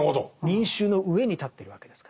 民衆の上に立ってるわけですから。